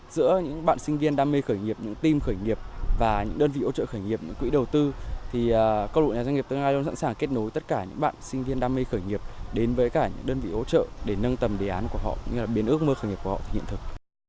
giữa những bạn sinh viên đam mê khởi nghiệp những team khởi nghiệp và những đơn vị ủng hộ khởi nghiệp những quỹ đầu tư thì câu lạc bộ nhà doanh nghiệp tương lai luôn sẵn sàng kết nối tất cả những bạn sinh viên đam mê khởi nghiệp đến với cả những đơn vị ủng hộ để nâng tầm đề án của họ như là biến ước mơ khởi nghiệp của họ thực hiện thực